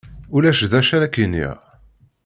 Ulac d acu ara ak-iniɣ.